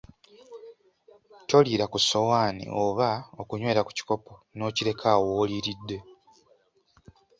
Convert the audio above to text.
Toliira ku sowaani oba okunywera ku kikopo n‘okireka awo w‘oliiridde.